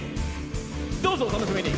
どうぞお楽しみに！